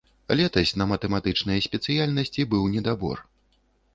Летась на матэматычныя спецыяльнасці быў недабор.